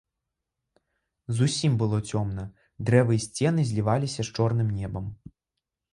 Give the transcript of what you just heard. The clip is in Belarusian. Зусім было цёмна, дрэвы і сцены зліваліся з чорным небам.